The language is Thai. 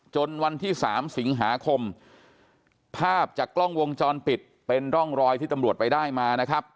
วันที่๓สิงหาคมภาพจากกล้องวงจรปิดเป็นร่องรอยที่ตำรวจไปได้มานะครับ